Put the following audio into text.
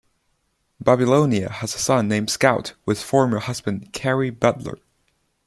Babilonia has a son named Scout with former husband Cary Butler.